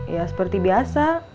ya seperti biasa